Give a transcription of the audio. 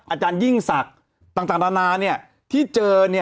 อาจารยิ่งศักดิ์ต่างนานาที่เจอ